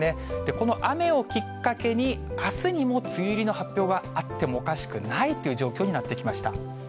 この雨をきっかけに、あすにも梅雨入りの発表があってもおかしくないという状況になってきました。